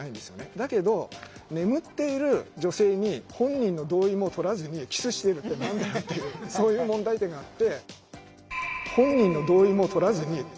だけど眠っている女性に本人の同意もとらずにキスしてるって何だよっていうそういう問題点があって。